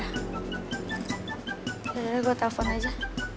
yaudah ya gue telfon aja